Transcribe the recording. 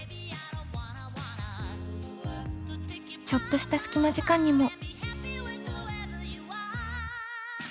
ちょっとした隙間時間にも。